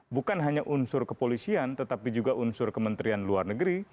bukan hanya unsur kepolisian tetapi juga unsur kementerian luar negeri